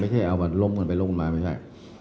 ไม่ใช่เอามันล้มกันไปล้มมาไม่ใช่